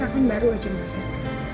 al elsa kan baru saja melahirkan